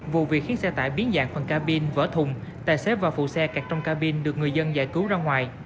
vụ việc khiến xe tải biến dạng phần cabin vỡ thùng tài xếp và phụ xe cạt trong cabin được người dân giải cứu ra ngoài